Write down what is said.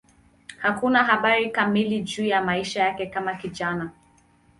Hakuna habari kamili juu ya maisha yake kama kijana.